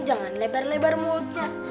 jangan lebar lebar mulutnya